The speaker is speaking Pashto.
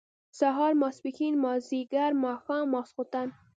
سهار ، ماسپښين، مازيګر، ماښام ، ماسخوتن